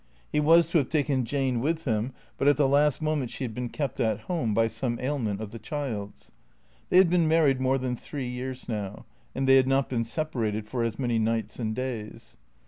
He was to have taken Jane with him but at the last moment she had been kept at home by some ailment of the child's. They had been married more than three years now, and they had not been separated for as many nights and days.